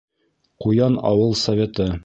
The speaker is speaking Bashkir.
Ҡуян ауыл Советы